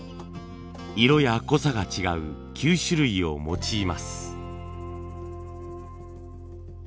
色や濃さが違う９種類を用います。